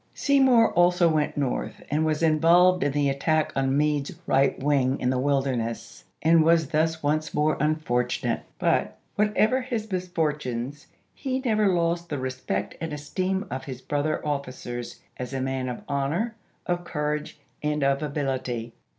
Seymour also went North and was involved in the attack on Meade's right wing in the Wilderness and was thus once more unfortu nate ; but, whatever his misfortunes, he never lost the respect and esteem of his brother officers as a man of honor, of courage, and of ability.